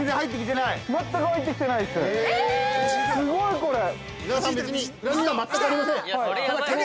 ◆すごい、これ。